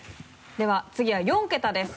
では次は４ケタです。